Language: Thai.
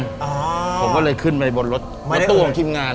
ผมก็เลยขึ้นไปบนรถตู้ชิงงาน